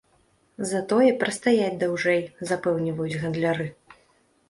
Затое прастаяць даўжэй, запэўніваюць гандляры.